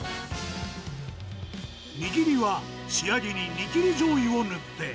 握りは仕上げに煮切りじょうゆを塗って。